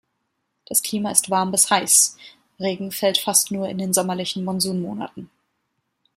Das Klima ist warm bis heiß; Regen fällt fast nur in den sommerlichen Monsunmonaten.